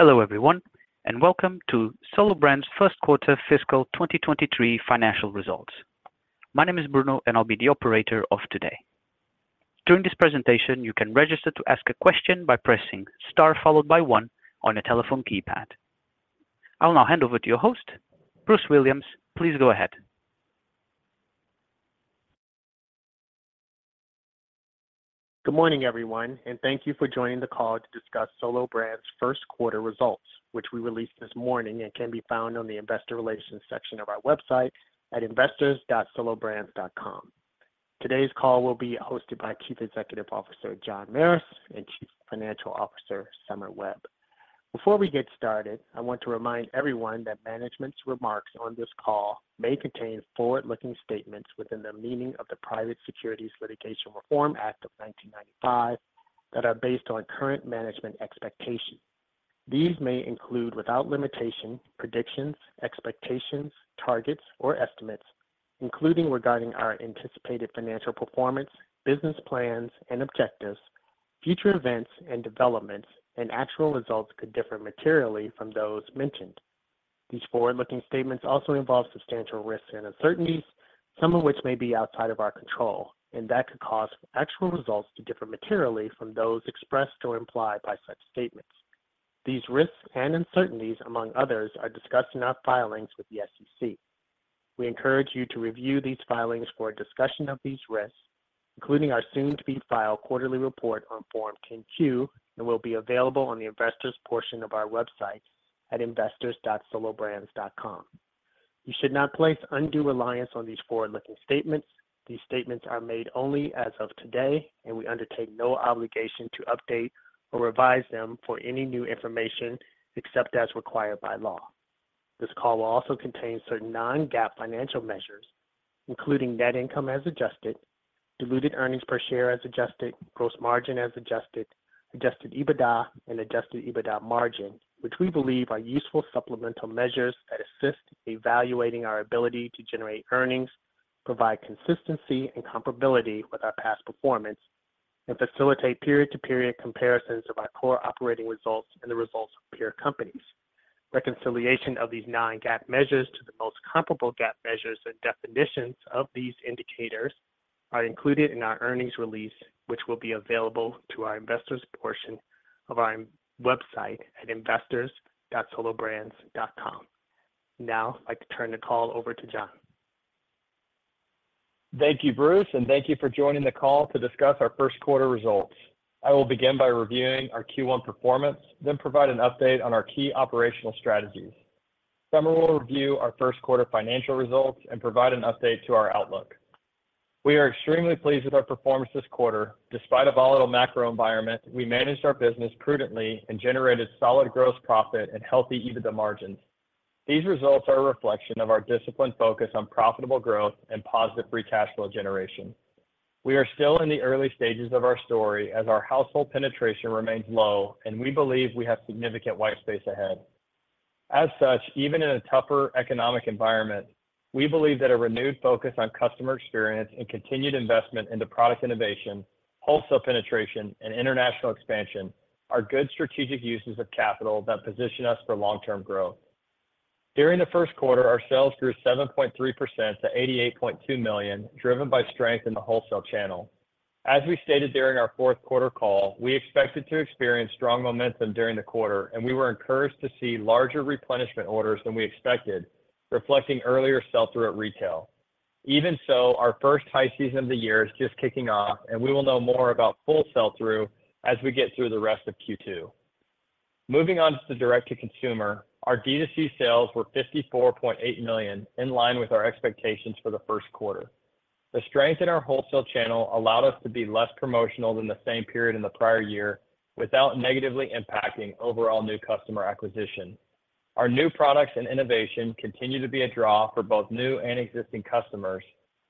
Hello everyone. Welcome to Solo Brands first quarter fiscal 2023 financial results. My name is Bruno, and I'll be the operator of today. During this presentation, you can register to ask a question by pressing Star followed by two on your telephone keypad. I will now hand over to your host, Bruce Williams. Please go ahead. Good morning, everyone, and thank you for joining the call to discuss Solo Brands first quarter results, which we released this morning and can be found on the investor relations section of our website at investors.solobrands.com. Today's call will be hosted by Chief Executive Officer, John Merris, and Chief Financial Officer, Somer Webb. Before we get started, I want to remind everyone that management's remarks on this call may contain forward-looking statements within the meaning of the Private Securities Litigation Reform Act of 1995 that are based on current management expectations. These may include, without limitation, predictions, expectations, targets, or estimates, including regarding our anticipated financial performance, business plans and objectives, future events and developments, and actual results could differ materially from those mentioned. These forward-looking statements also involve substantial risks and uncertainties, some of which may be outside of our control, and that could cause actual results to differ materially from those expressed or implied by such statements. These risks and uncertainties, among others, are discussed in our filings with the SEC. We encourage you to review these filings for a discussion of these risks, including our soon to be filed quarterly report on Form 10-Q, and will be available on the investors portion of our website at investors.solobrands.com. You should not place undue reliance on these forward-looking statements. These statements are made only as of today, and we undertake no obligation to update or revise them for any new information, except as required by law. This call will also contain certain non-GAAP financial measures, including net income as adjusted, diluted earnings per share as adjusted, gross margin as adjusted EBITDA, and adjusted EBITDA margin, which we believe are useful supplemental measures that assist evaluating our ability to generate earnings, provide consistency and comparability with our past performance, and facilitate period-to-period comparisons of our core operating results and the results of peer companies. Reconciliation of these non-GAAP measures to the most comparable GAAP measures and definitions of these indicators are included in our earnings release, which will be available to our investors portion of our website at investors.solobrands.com. Now, I'd like to turn the call over to John. Thank you, Bruce, and thank you for joining the call to discuss our first quarter results. I will begin by reviewing our Q1 performance, then provide an update on our key operational strategies. Somer will review our first quarter financial results and provide an update to our outlook. We are extremely pleased with our performance this quarter. Despite a volatile macro environment, we managed our business prudently and generated solid gross profit and healthy EBITDA margins. These results are a reflection of our disciplined focus on profitable growth and positive free cash flow generation. We are still in the early stages of our story as our household penetration remains low, and we believe we have significant white space ahead. As such, even in a tougher economic environment, we believe that a renewed focus on customer experience and continued investment into product innovation, wholesale penetration, and international expansion are good strategic uses of capital that position us for long-term growth. During the first quarter, our sales grew 7.3% to $88.2 million, driven by strength in the wholesale channel. As we stated during our fourth quarter call, we expected to experience strong momentum during the quarter, and we were encouraged to see larger replenishment orders than we expected, reflecting earlier sell-through at retail. Even so, our first high season of the year is just kicking off, and we will know more about full sell-through as we get through the rest of Q2. Moving on to the direct-to-consumer, our D2C sales were $54.8 million, in line with our expectations for the first quarter. The strength in our wholesale channel allowed us to be less promotional than the same period in the prior year without negatively impacting overall new customer acquisition. Our new products and innovation continue to be a draw for both new and existing customers,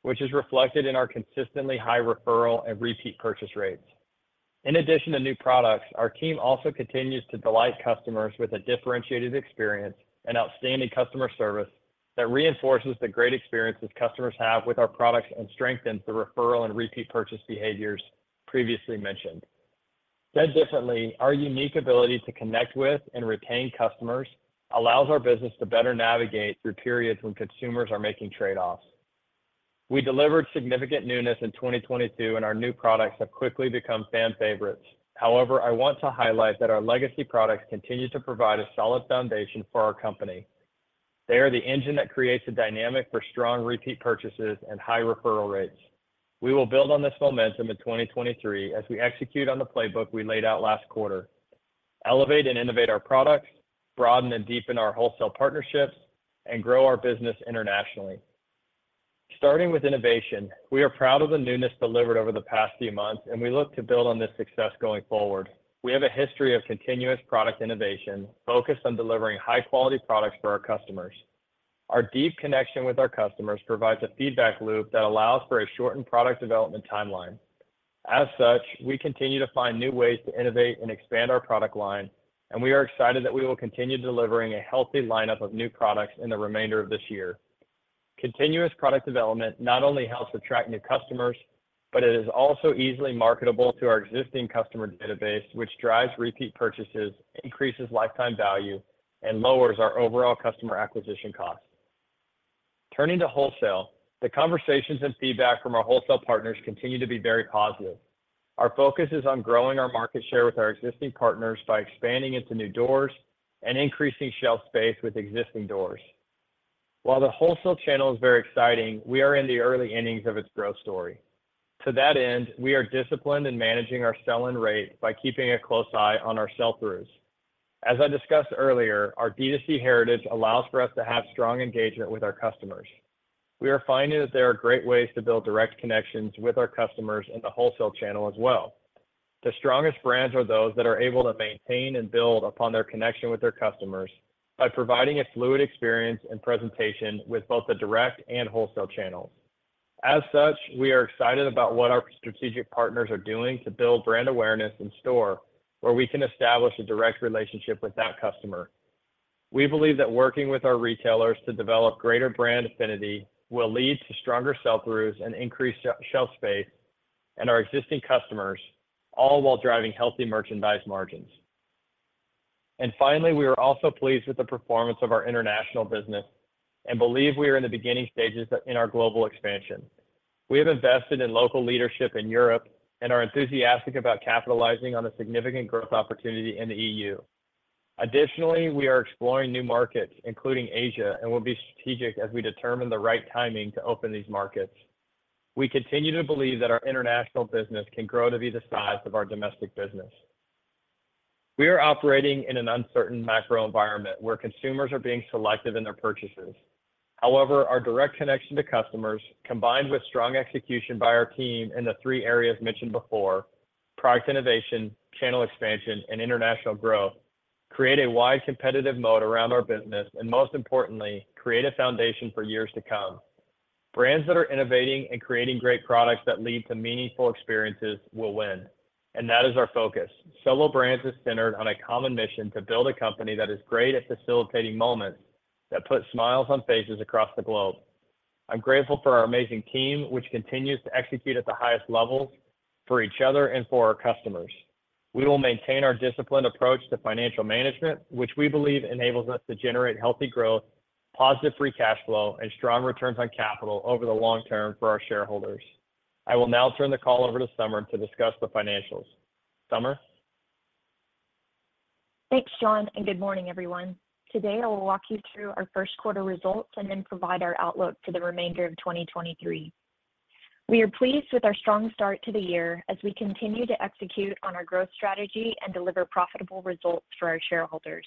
which is reflected in our consistently high referral and repeat purchase rates. In addition to new products, our team also continues to delight customers with a differentiated experience and outstanding customer service that reinforces the great experiences customers have with our products and strengthens the referral and repeat purchase behaviors previously mentioned. Said differently, our unique ability to connect with and retain customers allows our business to better navigate through periods when consumers are making trade-offs. We delivered significant newness in 2022, and our new products have quickly become fan favorites. I want to highlight that our legacy products continue to provide a solid foundation for our company. They are the engine that creates a dynamic for strong repeat purchases and high referral rates. We will build on this momentum in 2023 as we execute on the playbook we laid out last quarter. Elevate and innovate our products, broaden and deepen our wholesale partnerships, and grow our business internationally. Starting with innovation, we are proud of the newness delivered over the past few months, and we look to build on this success going forward. We have a history of continuous product innovation focused on delivering high quality products for our customers. Our deep connection with our customers provides a feedback loop that allows for a shortened product development timeline. As such, we continue to find new ways to innovate and expand our product line. We are excited that we will continue delivering a healthy lineup of new products in the remainder of this year. Continuous product development not only helps attract new customers, but it is also easily marketable to our existing customer database, which drives repeat purchases, increases lifetime value, and lowers our overall customer acquisition costs. Turning to wholesale, the conversations and feedback from our wholesale partners continue to be very positive. Our focus is on growing our market share with our existing partners by expanding into new doors and increasing shelf space with existing doors. While the wholesale channel is very exciting, we are in the early innings of its growth story. To that end, we are disciplined in managing our sell-in rate by keeping a close eye on our sell-throughs. As I discussed earlier, our D2C heritage allows for us to have strong engagement with our customers. We are finding that there are great ways to build direct connections with our customers in the wholesale channel as well. The strongest brands are those that are able to maintain and build upon their connection with their customers by providing a fluid experience and presentation with both the direct and wholesale channels. We are excited about what our strategic partners are doing to build brand awareness in store, where we can establish a direct relationship with that customer. We believe that working with our retailers to develop greater brand affinity will lead to stronger sell-throughs and increased shelf space and our existing customers, all while driving healthy merchandise margins. Finally, we are also pleased with the performance of our international business and believe we are in the beginning stages in our global expansion. We have invested in local leadership in Europe and are enthusiastic about capitalizing on a significant growth opportunity in the EU. Additionally, we are exploring new markets, including Asia, and will be strategic as we determine the right timing to open these markets. We continue to believe that our international business can grow to be the size of our domestic business. We are operating in an uncertain macro environment where consumers are being selective in their purchases. However, our direct connection to customers, combined with strong execution by our team in the three areas mentioned before, product innovation, channel expansion, and international growth, create a wide competitive moat around our business, and most importantly, create a foundation for years to come. Brands that are innovating and creating great products that lead to meaningful experiences will win. That is our focus. Solo Brands is centered on a common mission to build a company that is great at facilitating moments that put smiles on faces across the globe. I'm grateful for our amazing team, which continues to execute at the highest levels for each other and for our customers. We will maintain our disciplined approach to financial management, which we believe enables us to generate healthy growth, positive free cash flow, and strong returns on capital over the long term for our shareholders. I will now turn the call over to Somer to discuss the financials. Somer? Thanks, John. Good morning, everyone. Today, I will walk you through our first quarter results and provide our outlook for the remainder of 2023. We are pleased with our strong start to the year as we continue to execute on our growth strategy and deliver profitable results for our shareholders.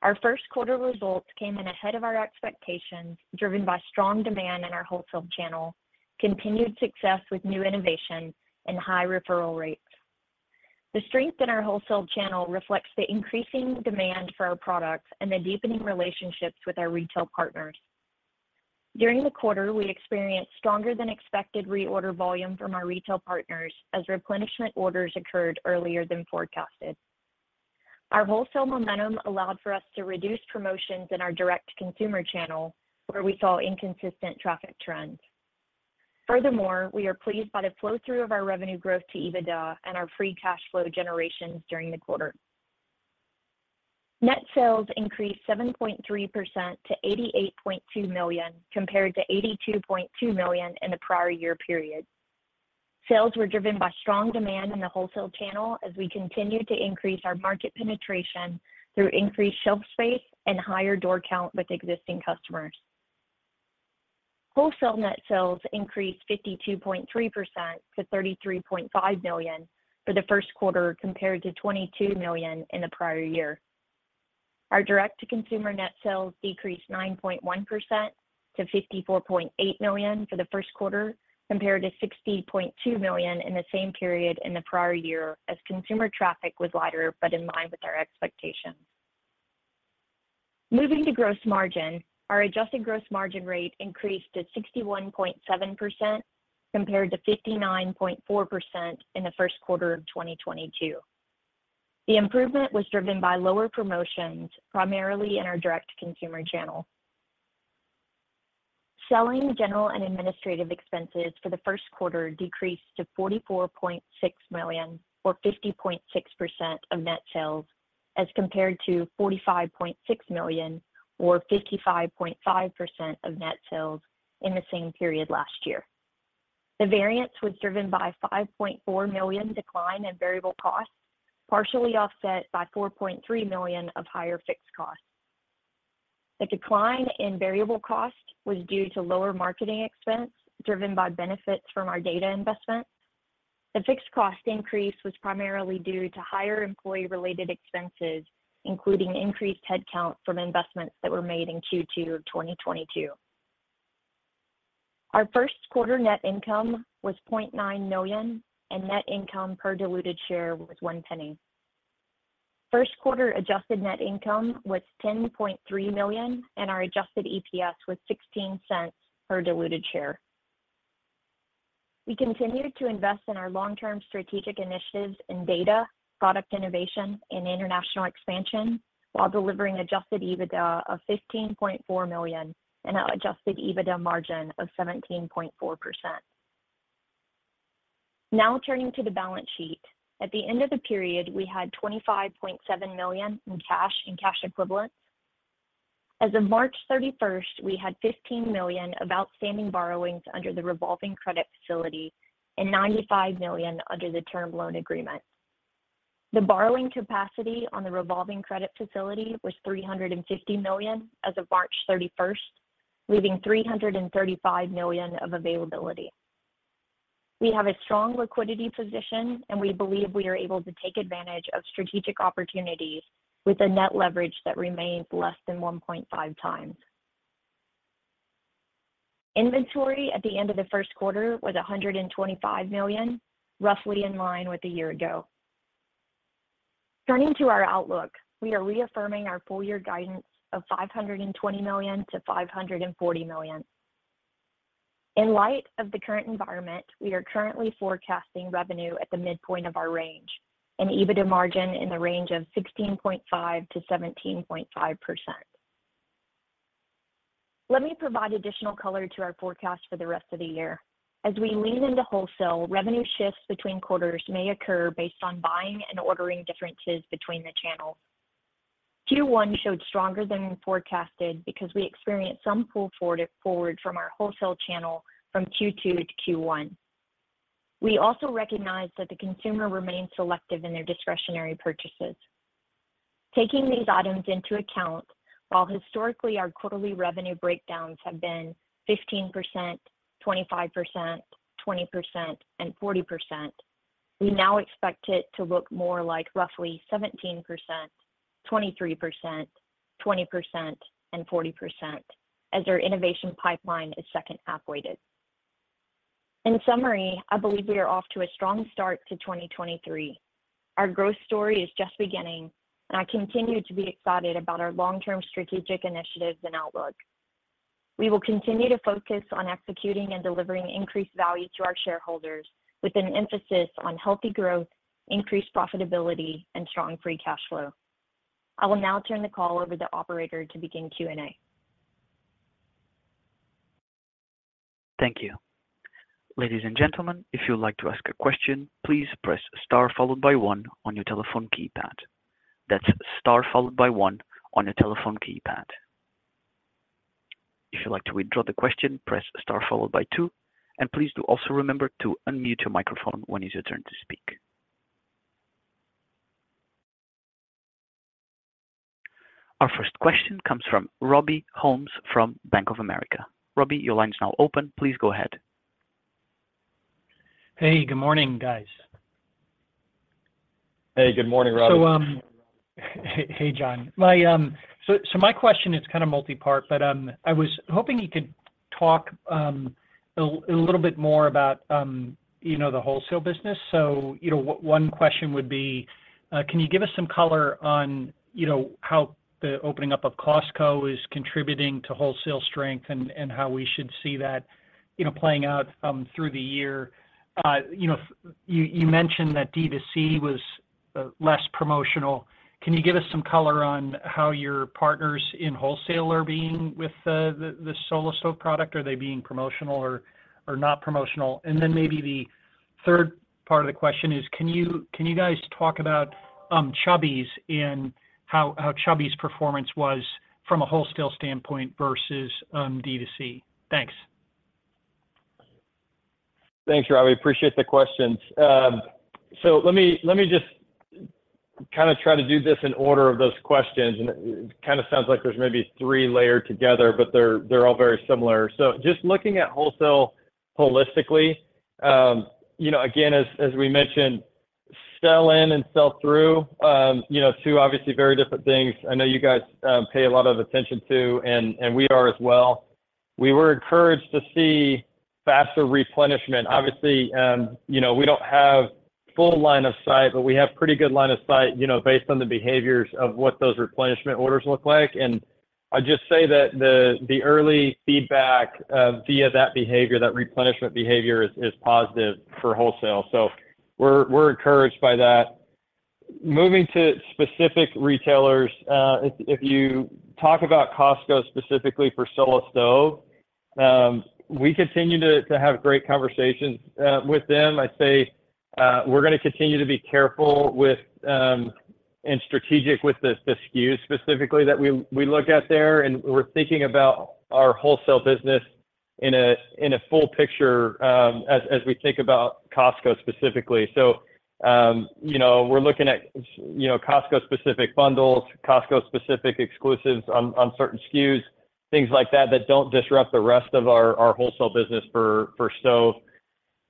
Our first quarter results came in ahead of our expectations, driven by strong demand in our wholesale channel, continued success with new innovation, and high referral rates. The strength in our wholesale channel reflects the increasing demand for our products and the deepening relationships with our retail partners. During the quarter, we experienced stronger-than-expected reorder volume from our retail partners as replenishment orders occurred earlier than forecasted. Our wholesale momentum allowed for us to reduce promotions in our direct-to-consumer channel, where we saw inconsistent traffic trends. Furthermore, we are pleased by the flow-through of our revenue growth to EBITDA and our free cash flow generations during the quarter. Net sales increased 7.3% to $88.2 million, compared to $82.2 million in the prior year period. Sales were driven by strong demand in the wholesale channel as we continued to increase our market penetration through increased shelf space and higher door count with existing customers. Wholesale net sales increased 52.3% to $33.5 million for the first quarter, compared to $22 million in the prior year. Our direct-to-consumer net sales decreased 9.1% to $54.8 million for the first quarter, compared to $60.2 million in the same period in the prior year, as consumer traffic was lighter but in line with our expectations. Moving to gross margin, our adjusted gross margin rate increased to 61.7% compared to 59.4% in the first quarter of 2022. The improvement was driven by lower promotions, primarily in our direct-to-consumer channel. Selling, general, and administrative expenses for the first quarter decreased to $44.6 million or 50.6% of net sales as compared to $45.6 million or 55.5% of net sales in the same period last year. The variance was driven by a $5.4 million decline in variable costs, partially offset by $4.3 million of higher fixed costs. The decline in variable cost was due to lower marketing expense, driven by benefits from our data investments. The fixed cost increase was primarily due to higher employee-related expenses, including increased headcount from investments that were made in Q2 of 2022. Our first quarter net income was $0.9 million, and net income per diluted share was $0.01. First quarter adjusted net income was $10.3 million, and our adjusted EPS was $0.16 per diluted share. We continued to invest in our long-term strategic initiatives in data, product innovation, and international expansion while delivering adjusted EBITDA of $15.4 million and adjusted EBITDA margin of 17.4%. Now turning to the balance sheet. At the end of the period, we had $25.7 million in cash and cash equivalents. As of March 31st, we had $15 million of outstanding borrowings under the revolving credit facility and $95 million under the term loan agreement. The borrowing capacity on the revolving credit facility was $350 million as of March 31st, leaving $335 million of availability. We have a strong liquidity position, and we believe we are able to take advantage of strategic opportunities with a net leverage that remains less than 1.5x. Inventory at the end of the first quarter was $125 million, roughly in line with a year ago. Turning to our outlook, we are reaffirming our full year guidance of $520 million-$540 million. In light of the current environment, we are currently forecasting revenue at the midpoint of our range and EBITDA margin in the range of 16.5%-17.5%. Let me provide additional color to our forecast for the rest of the year. As we lean into wholesale, revenue shifts between quarters may occur based on buying and ordering differences between the channels. Q1 showed stronger than forecasted because we experienced some pull forward from our wholesale channel from Q2 to Q1. We also recognize that the consumer remains selective in their discretionary purchases. Taking these items into account, while historically our quarterly revenue breakdowns have been 15%, 25%, 20%, and 40%, we now expect it to look more like roughly 17%, 23%, 20%, and 40% as our innovation pipeline is second half-weighted. In summary, I believe we are off to a strong start to 2023. Our growth story is just beginning, and I continue to be excited about our long-term strategic initiatives and outlook. We will continue to focus on executing and delivering increased value to our shareholders with an emphasis on healthy growth, increased profitability, and strong free cash flow. I will now turn the call over to Operator to begin Q&A. Thank you. Ladies and gentlemen, if you'd like to ask a question, please press star followed by one on your telephone keypad. That's star followed by one on your telephone keypad. If you'd like to withdraw the question, press star followed by two. Please do also remember to unmute your microphone when it is your turn to speak. Our first question comes from Robby Ohmes from Bank of America. Robby, your line is now open. Please go ahead. Hey, good morning, guys. Hey, good morning, Robby. Hey, John. My question is kind of multipart, but I was hoping you could talk a little bit more about, you know, the wholesale business. You know, one question would be, can you give us some color on, you know, how the opening up of Costco is contributing to wholesale strength and how we should see that, you know, playing out through the year? You know, you mentioned that D2C was less promotional. Can you give us some color on how your partners in wholesale are being with the Solo Stove product? Are they being promotional or not promotional? Maybe the third part of the question is, can you guys talk about Chubbies and how Chubbies performance was from a wholesale standpoint versus D2C? Thanks. Thanks, Robby. Appreciate the questions. Let me just kind of try to do this in order of those questions. It kind of sounds like there's maybe three layered together, but they're all very similar. Just looking at wholesale holistically, you know, again, as we mentioned, sell-in and sell-through, you know, two obviously very different things. I know you guys pay a lot of attention to, and we are as well. We were encouraged to see faster replenishment. Obviously, you know, we don't have full line of sight, but we have pretty good line of sight, you know, based on the behaviors of what those replenishment orders look like. I'd just say that the early feedback via that behavior, that replenishment behavior is positive for wholesale. We're encouraged by that. Moving to specific retailers, if you talk about Costco specifically for Solo Stove, we continue to have great conversations with them. I'd say, we're gonna continue to be careful with, and strategic with the SKUs specifically that we look at there, and we're thinking about our wholesale business in a, in a full picture, as we think about Costco specifically. You know, we're looking at, you know, Costco-specific bundles, Costco-specific exclusives on certain SKUs, things like that don't disrupt the rest of our wholesale business for Stove.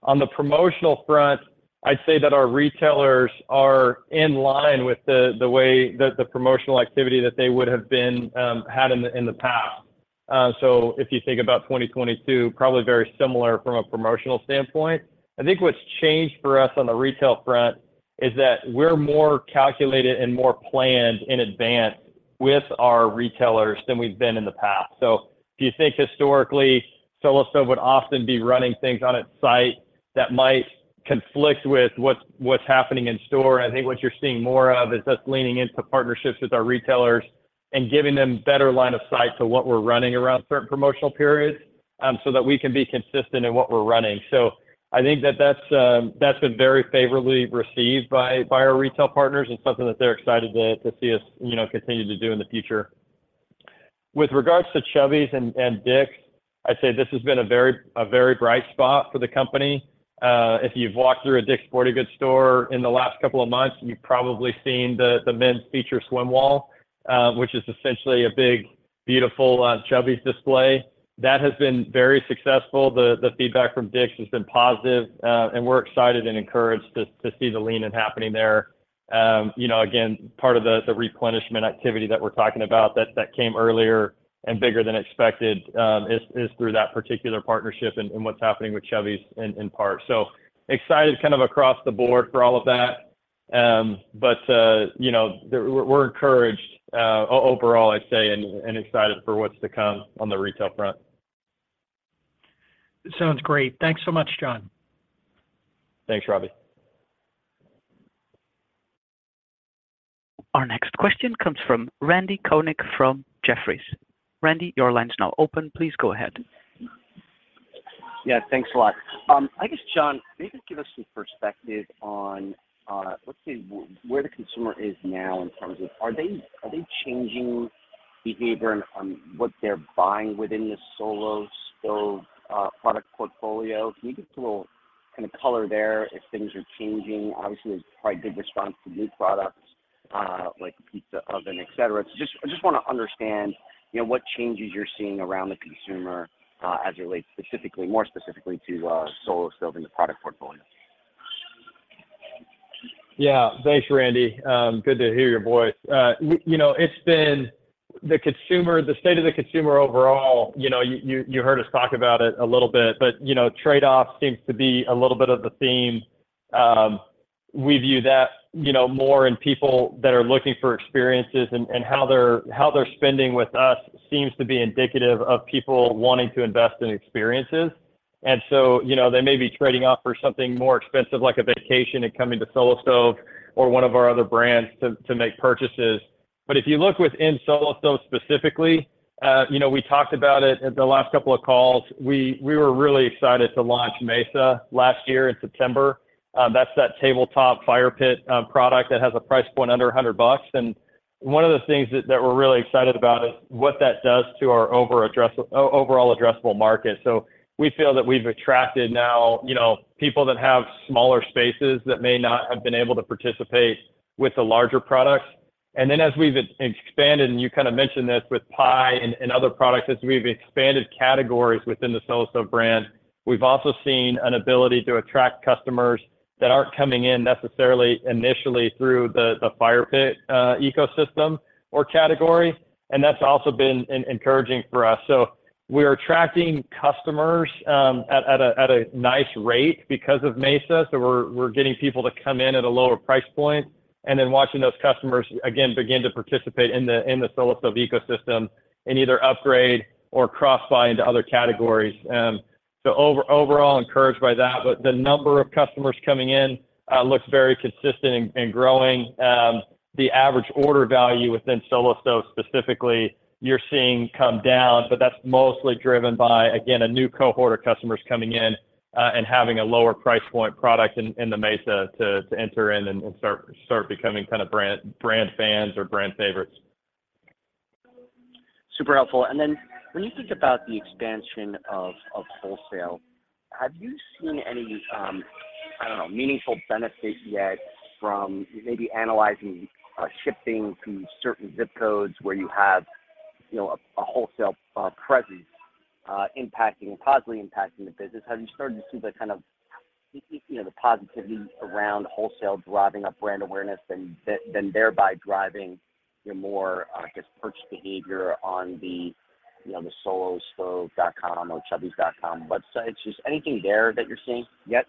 On the promotional front, I'd say that our retailers are in line with the way the promotional activity that they would have been had in the, in the past. If you think about 2022, probably very similar from a promotional standpoint. I think what's changed for us on the retail front is that we're more calculated and more planned in advance with our retailers than we've been in the past. If you think historically, Solo Stove would often be running things on its site that might conflict with what's happening in store. I think what you're seeing more of is us leaning into partnerships with our retailers and giving them better line of sight to what we're running around certain promotional periods that we can be consistent in what we're running. I think that that's been very favorably received by our retail partners and something that they're excited to see us, you know, continue to do in the future. With regards to Chubbies and Dick's, I'd say this has been a very bright spot for the company. If you've walked through a Dick's Sporting Goods store in the last couple of months, you've probably seen the men's feature swim wall, which is essentially a big beautiful Chubbies display. That has been very successful. The feedback from Dick's has been positive, and we're excited and encouraged to see the lean in happening there. You know, again, part of the replenishment activity that we're talking about that came earlier and bigger than expected, is through that particular partnership and what's happening with Chubbies in part. Excited kind of across the board for all of that. You know, we're encouraged, overall, I'd say, excited for what's to come on the retail front. Sounds great. Thanks so much, John. Thanks, Robbie. Our next question comes from Randy Konik from Jefferies. Randy, your line's now open. Please go ahead. Yeah, thanks a lot. I guess, John, maybe give us some perspective on, let's say where the consumer is now in terms of are they, are they changing behavior on what they're buying within the Solo Stove product portfolio? Can you give us a little kind of color there if things are changing? Obviously, there's quite good response to new products, like pizza oven, et cetera. Just, I just wanna understand, you know, what changes you're seeing around the consumer, as it relates specifically, more specifically to, Solo Stove and the product portfolio. Thanks, Randy. Good to hear your voice. You know, it's been the consumer, the state of the consumer overall, you know, you heard us talk about it a little bit, but, you know, trade-off seems to be a little bit of the theme. We view that, you know, more in people that are looking for experiences and how they're spending with us seems to be indicative of people wanting to invest in experiences. So, you know, they may be trading off for something more expensive like a vacation and coming to Solo Stove or one of our other brands to make purchases. If you look within Solo Stove specifically, you know, we talked about it at the last couple of calls. We were really excited to launch Mesa last year in September. That's that tabletop fire pit product that has a price point under $100. One of the things that we're really excited about is what that does to our overall addressable market. We feel that we've attracted now, you know, people that have smaller spaces that may not have been able to participate with the larger products. As we've expanded, and you kind of mentioned this with Pi and other products, as we've expanded categories within the Solo Stove brand, we've also seen an ability to attract customers that aren't coming in necessarily initially through the fire pit ecosystem or category. That's also been encouraging for us. We are attracting customers at a nice rate because of Mesa. We're getting people to come in at a lower price point, and then watching those customers again begin to participate in the Solo Stove ecosystem and either upgrade or cross-buy into other categories. Overall encouraged by that, but the number of customers coming in looks very consistent and growing. The average order value within Solo Stove specifically, you're seeing come down, but that's mostly driven by, again, a new cohort of customers coming in and having a lower price point product in the Mesa to enter in and start becoming kind of brand fans or brand favorites. Super helpful. When you think about the expansion of wholesale, have you seen any, I don't know, meaningful benefit yet from maybe analyzing, shipping to certain zip codes where you have, you know, a wholesale, presence, impacting, positively impacting the business? Have you started to see the kind of, you know, the positivity around wholesale driving up brand awareness and then thereby driving your more, I guess purchase behavior on the, you know, the solostove.com or chubbies.com websites? Just anything there that you're seeing yet?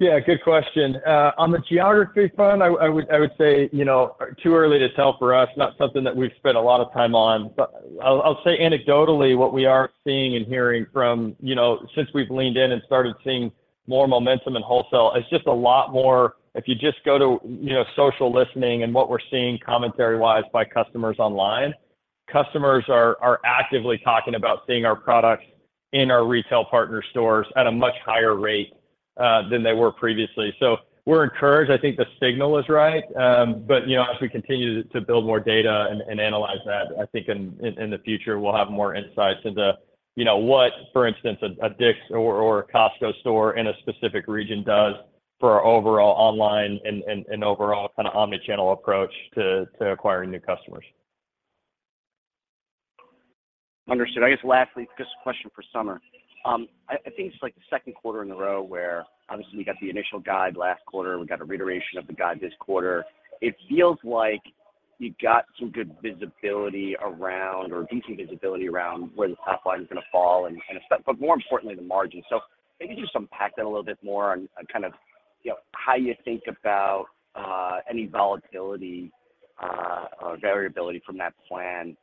Yeah, good question. On the geography front, I would say, you know, too early to tell for us, not something that we've spent a lot of time on. I'll say anecdotally what we are seeing and hearing from, you know, since we've leaned in and started seeing more momentum in wholesale, it's just a lot more... If you just go to, you know, social listening and what we're seeing commentary-wise by customers online, customers are actively talking about seeing our products in our retail partner stores at a much higher rate than they were previously. We're encouraged. I think the signal is right. You know, as we continue to build more data and analyze that, I think in the future we'll have more insights into, you know, what, for instance, a Dick's or a Costco store in a specific region does for our overall online and overall kind of omni-channel approach to acquiring new customers. Understood. I guess lastly, just a question for Somer. I think it's like the second quarter in a row where obviously we got the initial guide last quarter, we got a reiteration of the guide this quarter. You got some good visibility around, or decent visibility around where the top line is gonna fall and stuff, but more importantly, the margin. maybe just unpack that a little bit more on kind of, you know, how you think about any volatility or variability from that plan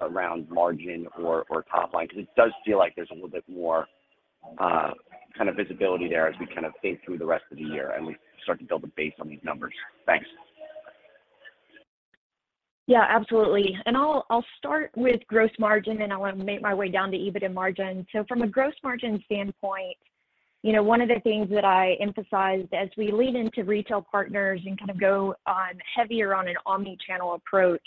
around margin or top line? It does feel like there's a little bit more kind of visibility there as we kind of fade through the rest of the year and we start to build a base on these numbers. Thanks. Yeah, absolutely. I'll start with gross margin, and I wanna make my way down to EBITDA margin. From a gross margin standpoint, you know, one of the things that I emphasized as we lean into retail partners and kind of go on heavier on an omni-channel approach,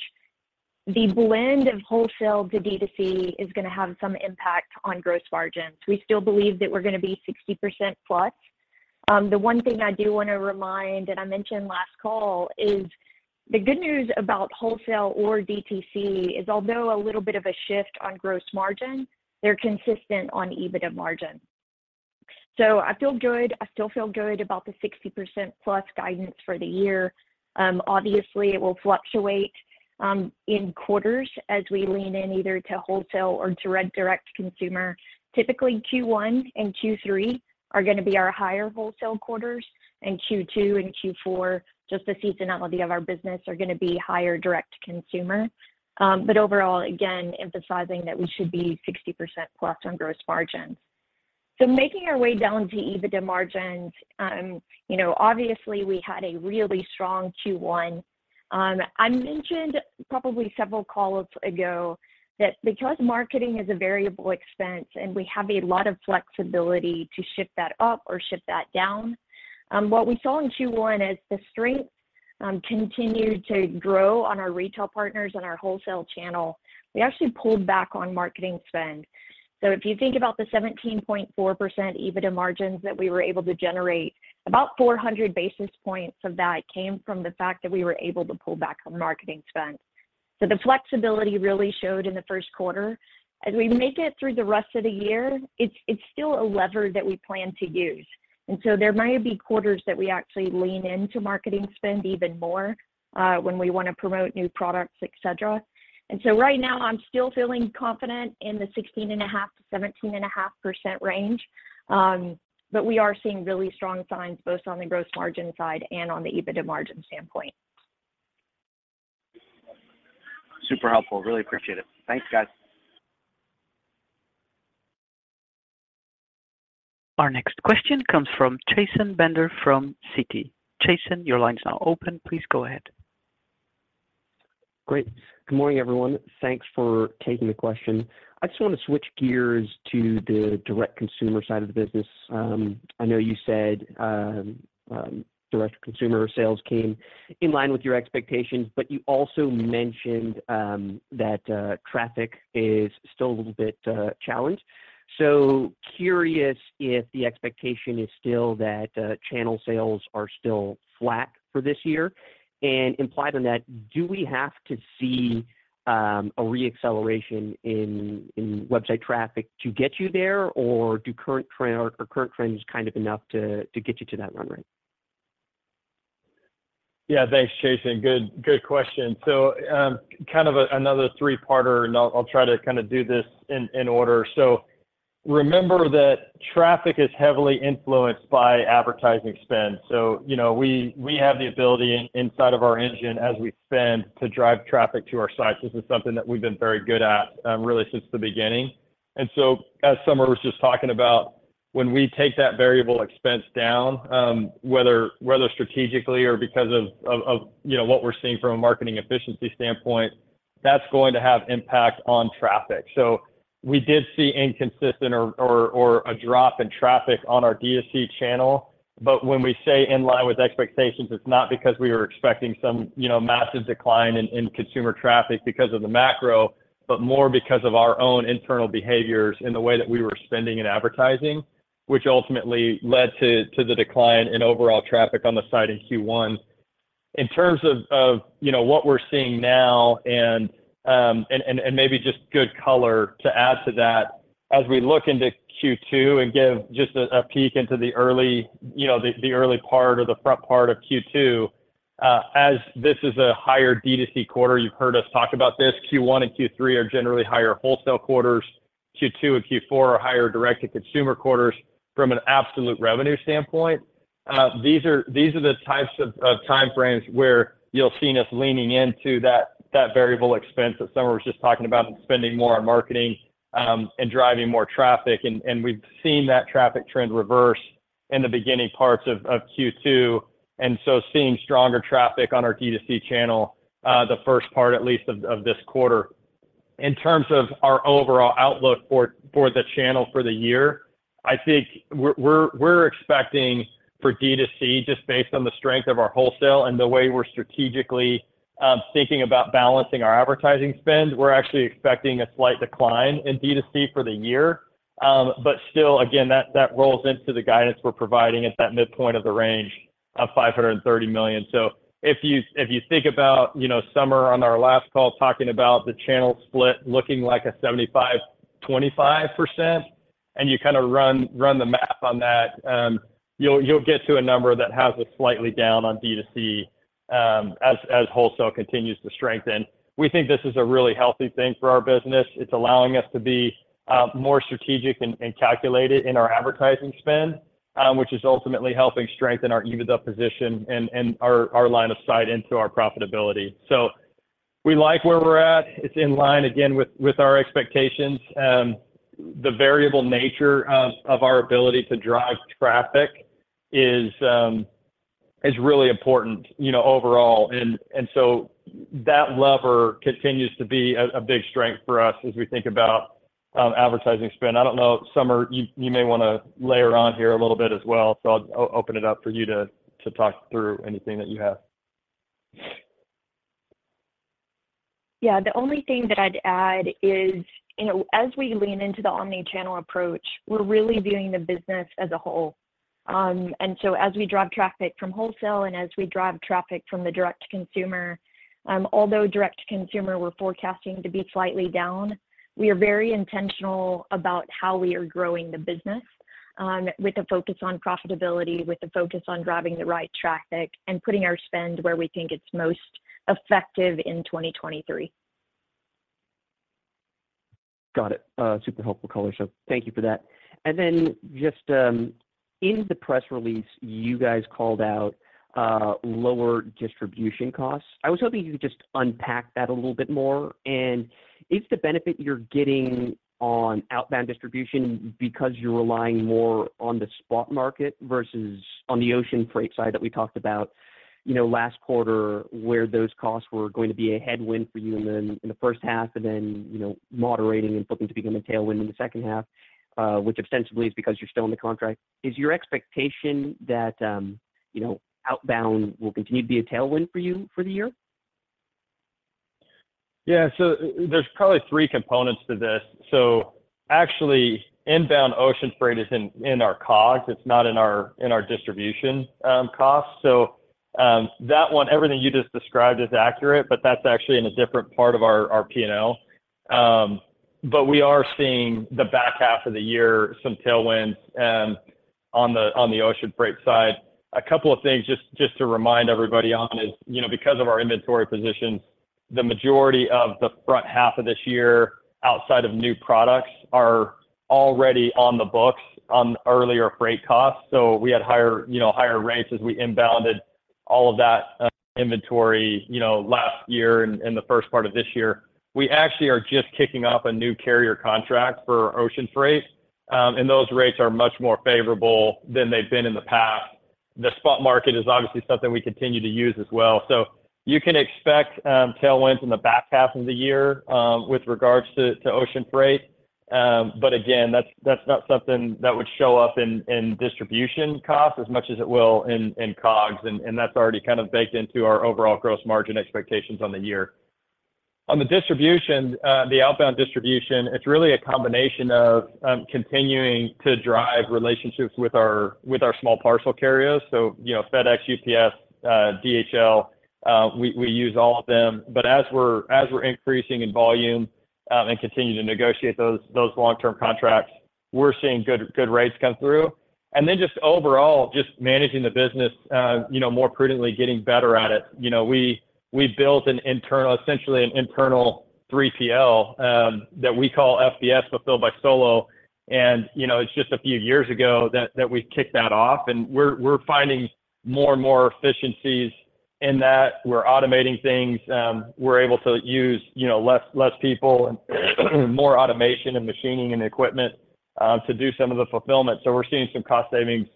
the blend of wholesale to D2C is gonna have some impact on gross margins. We still believe that we're gonna be 60% plus. The one thing I do wanna remind, and I mentioned last call, is the good news about wholesale or DTC is although a little bit of a shift on gross margin, they're consistent on EBITDA margin. I feel good. I still feel good about the 60% plus guidance for the year. Obviously, it will fluctuate in quarters as we lean in either to wholesale or to direct consumer. Typically, Q1 and Q3 are gonna be our higher wholesale quarters, and Q2 and Q4, just the seasonality of our business are gonna be higher direct consumer. Overall, again, emphasizing that we should be 60% plus on gross margins. Making our way down to EBITDA margins, you know, obviously we had a really strong Q1. I mentioned probably several calls ago that because marketing is a variable expense and we have a lot of flexibility to shift that up or shift that down, what we saw in Q1 is the strength continued to grow on our retail partners and our wholesale channel. We actually pulled back on marketing spend. If you think about the 17.4% EBITDA margins that we were able to generate, about 400 basis points of that came from the fact that we were able to pull back on marketing spend. The flexibility really showed in the first quarter. As we make it through the rest of the year, it's still a lever that we plan to use. There might be quarters that we actually lean into marketing spend even more, when we wanna promote new products, et cetera. Right now I'm still feeling confident in the 16.5%-17.5% range, but we are seeing really strong signs both on the gross margin side and on the EBITDA margin standpoint. Super helpful. Really appreciate it. Thanks, guys. Our next question comes from Chasen Bender from Citi. Chasen, your line's now open. Please go ahead. Great. Good morning, everyone. Thanks for taking the question. I just wanna switch gears to the direct consumer side of the business. I know you said direct consumer sales came in line with your expectations, but you also mentioned that traffic is still a little bit challenged. Curious if the expectation is still that channel sales are still flat for this year. Implied on that, do we have to see a re-acceleration in website traffic to get you there, or do current trends kind of enough to get you to that run rate? Yeah. Thanks, Chasen. Good, good question. Kind of another 3-parter, and I'll try to kind of do this in order. Remember that traffic is heavily influenced by advertising spend. You know, we have the ability inside of our engine as we spend to drive traffic to our sites. This is something that we've been very good at, really since the beginning. As Somer was just talking about, when we take that variable expense down, whether strategically or because of, you know, what we're seeing from a marketing efficiency standpoint, that's going to have impact on traffic. We did see inconsistent or a drop in traffic on our D2C channel. When we say in line with expectations, it's not because we were expecting some, you know, massive decline in consumer traffic because of the macro, but more because of our own internal behaviors in the way that we were spending in advertising, which ultimately led to the decline in overall traffic on the site in Q1. In terms of, you know, what we're seeing now and maybe just good color to add to that, as we look into Q2 and give just a peek into the early, you know, the early part or the front part of Q2, as this is a higher D2C quarter, you've heard us talk about this. Q1 and Q3 are generally higher wholesale quarters. Q2 and Q4 are higher direct-to-consumer quarters from an absolute revenue standpoint. These are the types of time frames where you'll seen us leaning into that variable expense that Somer was just talking about and spending more on marketing, driving more traffic. And we've seen that traffic trend reverse in the beginning parts of Q2, seeing stronger traffic on our D2C channel, the first part at least of this quarter. In terms of our overall outlook for the channel for the year, I think we're expecting for D2C, just based on the strength of our wholesale and the way we're strategically thinking about balancing our advertising spend, we're actually expecting a slight decline in D2C for the year. Still again, that rolls into the guidance we're providing at that midpoint of the range of $530 million. If you think about, you know, Somer on our last call talking about the channel split looking like a 75%/25%. You kind of run the math on that, you'll get to a number that has us slightly down on D2C, as wholesale continues to strengthen. We think this is a really healthy thing for our business. It's allowing us to be more strategic and calculated in our advertising spend, which is ultimately helping strengthen our EBITDA position and our line of sight into our profitability. We like where we're at. It's in line again with our expectations. The variable nature of our ability to drive traffic is really important, you know, overall. That lever continues to be a big strength for us as we think about advertising spend. I don't know, Somer, you may wanna layer on here a little bit as well, so I'll open it up for you to talk through anything that you have. Yeah. The only thing that I'd add is, you know, as we lean into the omni-channel approach, we're really viewing the business as a whole. As we drive traffic from wholesale and as we drive traffic from the direct-to-consumer, although direct-to-consumer we're forecasting to be slightly down, we are very intentional about how we are growing the business, with a focus on profitability, with a focus on driving the right traffic, and putting our spend where we think it's most effective in 2023. Got it. Super helpful color, so thank you for that. Then just, in the press release, you guys called out lower distribution costs. I was hoping you could just unpack that a little bit more. Is the benefit you're getting on outbound distribution because you're relying more on the spot market versus on the ocean freight side that we talked about, you know, last quarter, where those costs were going to be a headwind for you in the, in the first half, and then, you know, moderating and flipping to become a tailwind in the second half, which ostensibly is because you're still in the contract? Is your expectation that, you know, outbound will continue to be a tailwind for you for the year? Yeah. There's probably three components to this. Actually, inbound ocean freight is in our COGS. It's not in our distribution costs. That one, everything you just described is accurate, but that's actually in a different part of our P&L. We are seeing the back half of the year, some tailwinds on the ocean freight side. A couple of things just to remind everybody on is, you know, because of our inventory positions, the majority of the front half of this year outside of new products are already on the books on earlier freight costs. We had higher, you know, higher rates as we inbounded all of that inventory, you know, last year and the first part of this year. We actually are just kicking off a new carrier contract for ocean freight, and those rates are much more favorable than they've been in the past. The spot market is obviously something we continue to use as well. You can expect tailwinds in the back half of the year with regards to ocean freight. Again, that's not something that would show up in distribution costs as much as it will in COGS, and that's already kind of baked into our overall gross margin expectations on the year. On the distribution, the outbound distribution, it's really a combination of continuing to drive relationships with our, with our small parcel carriers. You know, FedEx, UPS, DHL, we use all of them. As we're increasing in volume and continue to negotiate those long-term contracts, we're seeing good rates come through. Just overall, just managing the business, you know, more prudently, getting better at it. You know, we built an internal, essentially an internal 3PL that we call FBS, Fulfilled by Solo. You know, it's just a few years ago that we kicked that off, and we're finding more and more efficiencies in that. We're automating things. We're able to use, you know, less people and more automation and machining and equipment to do some of the fulfillment. We're seeing some cost savings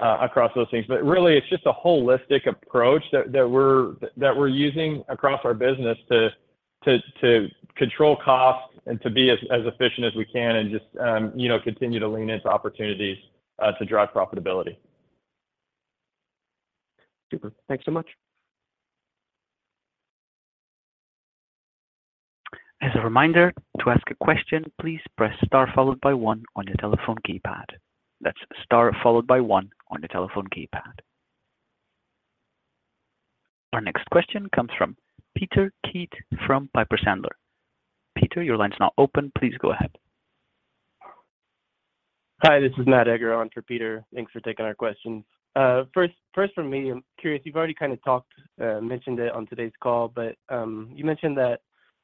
across those things. Really it's just a holistic approach that we're using across our business to control costs and to be as efficient as we can and just, you know, continue to lean into opportunities to drive profitability. Super. Thanks so much. As a reminder, to ask a question, please press star followed by one on your telephone keypad. That's star followed by one on your telephone keypad. Our next question comes from Peter Keith from Piper Sandler. Peter, your line's now open. Please go ahead. Hi, this is Matt Egger on for Peter. Thanks for taking our questions. First from me, I'm curious, you've already kinda talked, mentioned it on today's call, but you mentioned that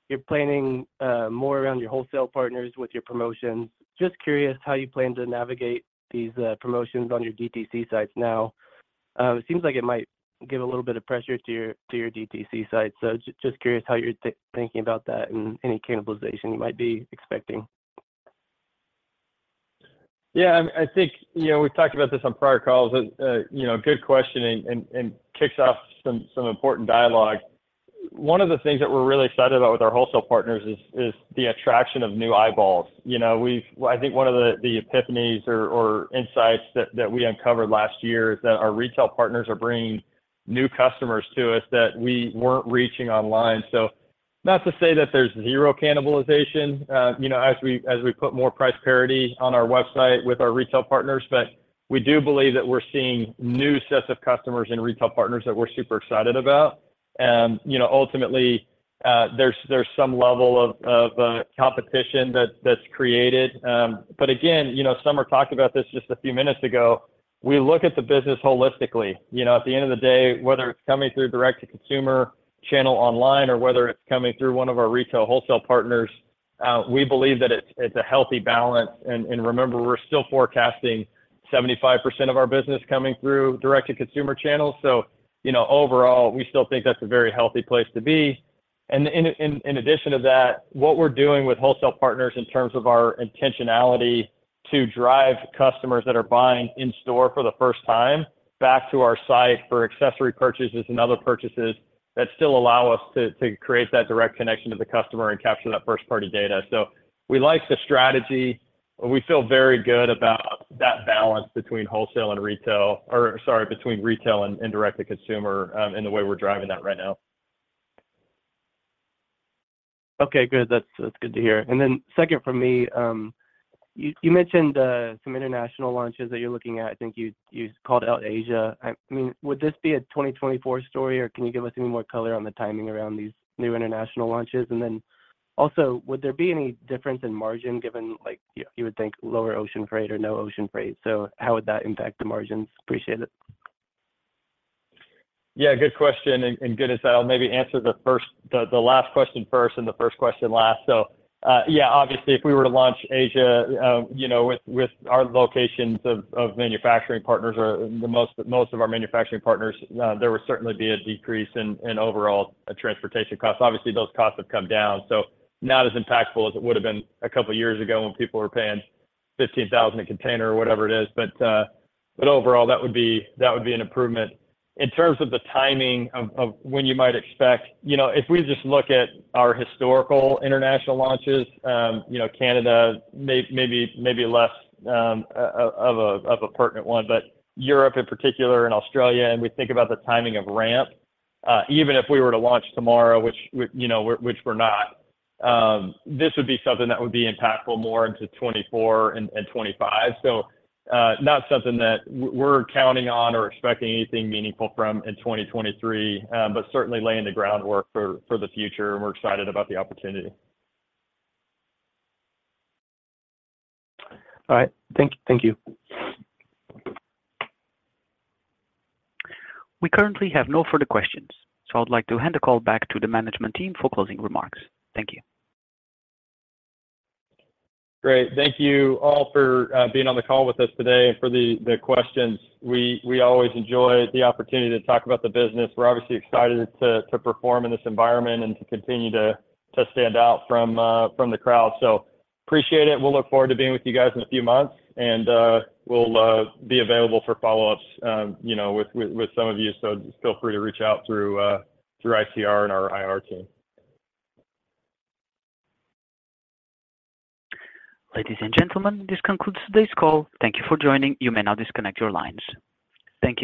you're planning more around your wholesale partners with your promotions. Just curious how you plan to navigate these promotions on your DTC sites now. It seems like it might give a little bit of pressure to your DTC sites, so just curious how you're thinking about that and any cannibalization you might be expecting. Yeah. I think, you know, we've talked about this on prior calls. You know, good question and kicks off some important dialogue. One of the things that we're really excited about with our wholesale partners is the attraction of new eyeballs. You know, I think one of the epiphanies or insights that we uncovered last year is that our retail partners are bringing new customers to us that we weren't reaching online. Not to say that there's zero cannibalization, you know, as we put more price parity on our website with our retail partners, but we do believe that we're seeing new sets of customers and retail partners that we're super excited about. You know, ultimately, there's some level of competition that's created. Again, you know, Somer talked about this just a few minutes ago, we look at the business holistically. You know, at the end of the day, whether it's coming through direct-to-consumer channel online or whether it's coming through one of our retail wholesale partners, we believe that it's a healthy balance. Remember, we're still forecasting 75% of our business coming through direct-to-consumer channels. You know, overall, we still think that's a very healthy place to be. In addition to that, what we're doing with wholesale partners in terms of our intentionality to drive customers that are buying in store for the first time back to our site for accessory purchases and other purchases that still allow us to create that direct connection to the customer and capture that first-party data. we like the strategy, and we feel very good about that balance between wholesale and retail, Or sorry, between retail and direct-to-consumer, in the way we're driving that right now. Okay, good. That's, that's good to hear. second from me, you mentioned some international launches that you're looking at. I think you called out Asia. I mean, would this be a 2024 story, or can you give us any more color on the timing around these new international launches? also, would there be any difference in margin given, like, you would think lower ocean freight or no ocean freight? how would that impact the margins? Appreciate it. Yeah, good question. Good insight. I'll maybe answer the last question first and the first question last. Obviously, if we were to launch Asia, you know, with our locations of manufacturing partners or most of our manufacturing partners, there would certainly be a decrease in overall transportation costs. Obviously, those costs have come down, so not as impactful as it would've been a couple years ago when people were paying $15,000 a container or whatever it is. Overall, that would be an improvement. In terms of the timing of when you might expect... You know, if we just look at our historical international launches, you know, Canada maybe less, of a pertinent one, but Europe in particular and Australia, and we think about the timing of ramp, even if we were to launch tomorrow, which we, you know, which we're not, this would be something that would be impactful more into 2024 and 2025. Not something that we're counting on or expecting anything meaningful from in 2023. Certainly laying the groundwork for the future, and we're excited about the opportunity. All right. Thank you. We currently have no further questions. I'd like to hand the call back to the management team for closing remarks. Thank you. Great. Thank you all for being on the call with us today and for the questions. We always enjoy the opportunity to talk about the business. We're obviously excited to perform in this environment and to continue to stand out from the crowd. Appreciate it. We'll look forward to being with you guys in a few months. We'll be available for follow-ups, you know, with some of you, so feel free to reach out through ICR and our IR team. Ladies and gentlemen, this concludes today's call. Thank you for joining. You may now disconnect your lines. Thank you.